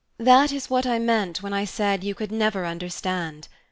That is what I meant when I said you could never understand!